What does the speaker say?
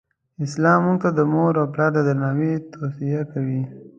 اسلام مونږ ته د مور او پلار د درناوې توصیه کوی.